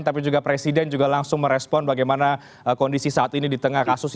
tapi juga presiden juga langsung merespon bagaimana kondisi saat ini di tengah kasus